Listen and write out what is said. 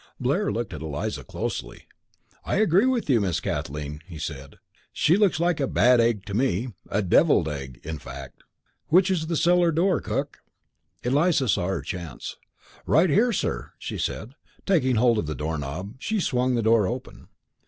Blair looked at Eliza closely. "I agree with you, Miss Kathleen," he said. "She looks like a bad egg to me a devilled egg, in fact. Which is the cellar door, cook?" Eliza saw her chance. "Right here, sir," she said, taking hold of the door knob. She swung the door open.